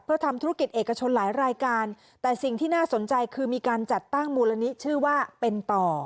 เพื่อทำธุรกิจเอกชนหลายรายการแต่สิ่งที่น่าสนใจคือมีการจัดตั้งมูลนิธิชื่อว่าเป็นต่อ